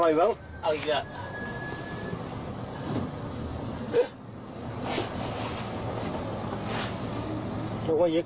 ไม่รถเก๋งตำดำเขาบอก